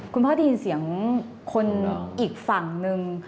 คุณพ่อได้ยินเสียงคนอีกฝั่งนึง